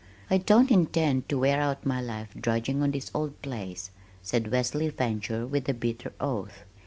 "I don't intend to wear out my life drudging on this old place," said Wesley Fancher with a bitter oath.